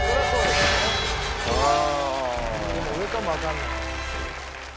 でも上かもわかんないね。